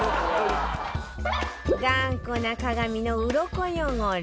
頑固な鏡のウロコ汚れ